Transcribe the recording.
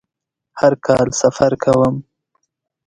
هر کال سفر کوم